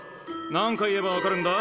何回言えばわかるんだ？